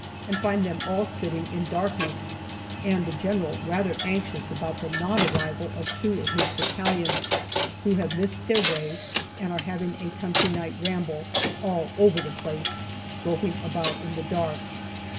and find them all sitting in darkness, and the General rather anxious about the non arrival of two of his battalions, who have missed their way and are having a country night ramble all over the place, groping about in the dark.